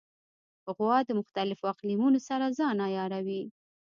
غوا د مختلفو اقلیمونو سره ځان عیاروي.